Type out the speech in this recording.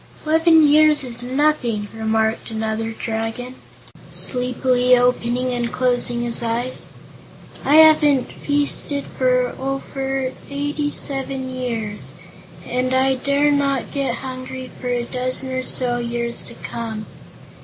"Eleven years is nothing," remarked another Dragon, sleepily opening and closing his eyes; "I haven't feasted for eighty seven years, and I dare not get hungry for a dozen or so years to come.